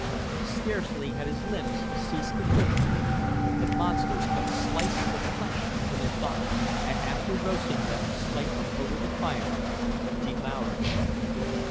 Scarcely had his limbs ceased to quiver when the monsters cut slices of flesh from his body, and after roasting them slightly over the fire, devoured them.